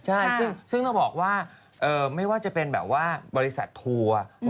ใช่ซึ่งต้องบอกว่าไม่ว่าจะเป็นแบบว่าบริษัททัวร์